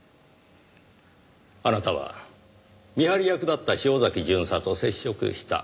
あなたは見張り役だった潮崎巡査と接触した。